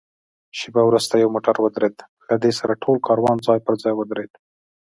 شېبه وروسته یو موټر ودرېد، له دې سره ټول کاروان ځای پر ځای ودرېد.